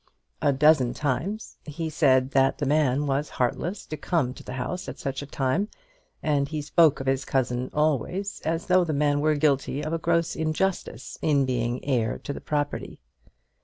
A dozen times he said that the man was heartless to come to the house at such a time, and he spoke of his cousin always as though the man were guilty of a gross injustice in being heir to the property.